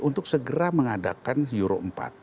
untuk segera mengadakan euro empat